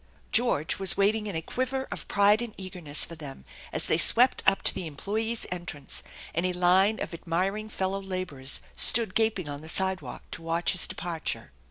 George was waiting in a quiver of pride and eagerness for them as they swept up to the employees' entrance, and a line of admiring fellow laborers stood gaping on the sidewalk to watch his departure.